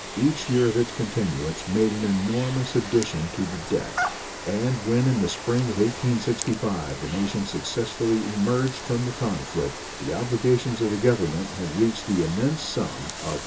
Each year of its continuance made an enormous addition to the debt: and when in the spring of 1865, the nation successfully emerged from the conflict, the obligations of the Government had reached the immense sum of $2.